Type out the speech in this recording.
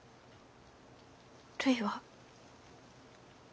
るいは。